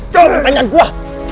jangan pertanyaan gua